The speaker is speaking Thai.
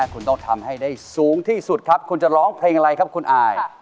คุณต้องทำให้ได้สูงที่สุดครับคุณจะร้องเพลงอะไรครับคุณอาย